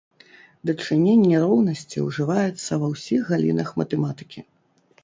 Дачыненне роўнасці ўжываецца ва ўсіх галінах матэматыкі.